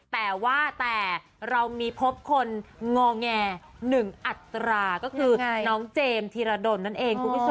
แต่ว่าแต่เรามีพบคนงอแง๑อัตราก็คือน้องเจมส์ธีรดลนั่นเองคุณผู้ชม